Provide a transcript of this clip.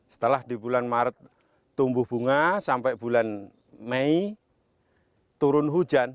setelah di bulan maret tumbuh bunga sampai bulan mei turun hujan